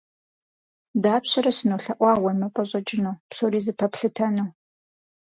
Дапщэрэ сынолъэӀуа уемыпӀэщӀэкӀыну, псори зэпэплъытэну?